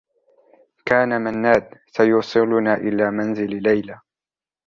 كان منّاد سيوصلنا إلى منزل ليلى.